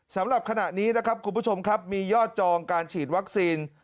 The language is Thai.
สำหรับขณะนี้นะครับคุณผู้ชมครับมียอดจองการฉีดวัคซีน